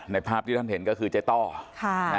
ภาพที่ท่านเห็นก็คือเจ๊ต้อ